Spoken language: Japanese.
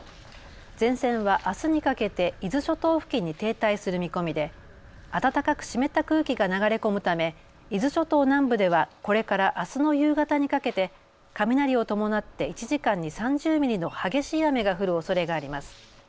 前線はあすにかけて伊豆諸島付近に停滞する見込みで暖かく湿った空気が流れ込むため伊豆諸島南部ではこれからあすの夕方にかけて雷を伴って１時間に３０ミリの激しい雨が降るおそれがあります。